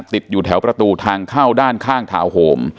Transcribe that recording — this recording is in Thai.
ติดอยู่แถวประตูทางเข้าด้านข้างทาวน์โฮม